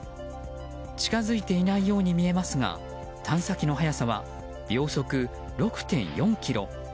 近づいていないように見えますが探査機の速さは秒速６．４キロ。